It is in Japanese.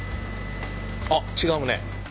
あっ違うね。